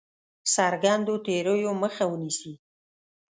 څرګندو تېریو مخه ونیسي.